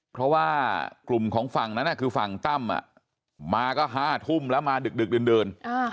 เพราะว่ากลุ่มของฝั่งนั้นคือฝั่งตั้มมาก็๕ทุ่มแล้วมาดึกดื่น